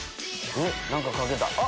何か掛けた。